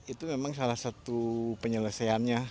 itu memang salah satu penyelesaiannya